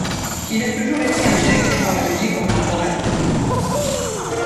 Il a toujours été intéressé par la musique contemporaine.